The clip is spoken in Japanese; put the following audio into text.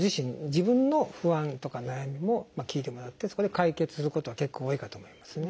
自分の不安とか悩みも聞いてもらってそこで解決することは結構多いかと思いますね。